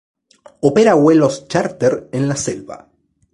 Opera vuelos chárter en la selva.